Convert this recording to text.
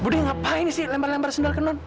budi ngapain sih lempar lempar sendal ke non